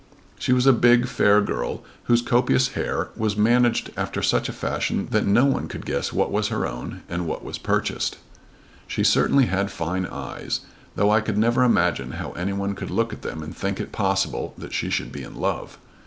She was a big, fair girl whose copious hair was managed after such a fashion that no one could guess what was her own and what was purchased. She certainly had fine eyes, though I could never imagine how any one could look at them and think it possible that she should be in love.